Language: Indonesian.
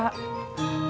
mas pur udah mendingan